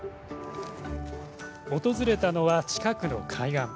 訪れたのは近くの海岸。